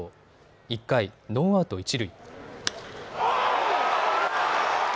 １回、ノーアウト一塁。